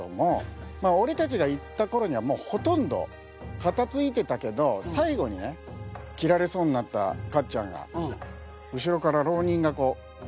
まあ俺たちが行った頃にはほとんど片づいてたけど最後にね斬られそうになったかっちゃんが後ろから浪人がこう斬りかかったわけだ。